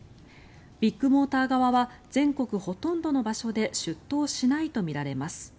ビッグモーター側は全国ほとんどの場所で出頭しないとみられます。